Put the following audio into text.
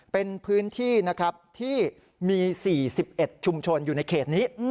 เป็นพื้นที่นะครับที่มี๔๑ชุมชนอยู่ในเขตนี้